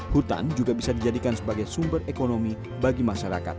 hutan juga bisa dijadikan sebagai sumber ekonomi bagi masyarakat